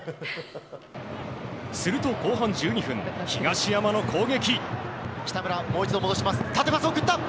すると後半１２分東山の攻撃。